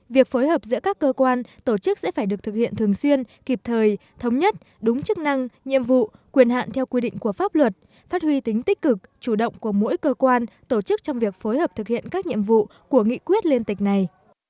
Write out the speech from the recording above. việc phối hợp giữa các cơ quan tổ chức sẽ phải được thực hiện thường xuyên kịp thời thống nhất đúng chức năng nhiệm vụ quyền hạn theo quy định của pháp luật phát huy tính tích cực chủ động của mỗi cơ quan tổ chức trong việc phối hợp thực hiện các nhiệm vụ của nghị quyết liên tịch này